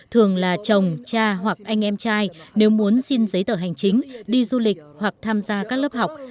thường là chồng cha hoặc anh em trai nếu muốn xin giấy tờ hành chính đi du lịch hoặc tham gia các lớp học